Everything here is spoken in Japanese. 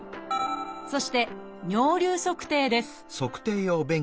そして「尿流測定」です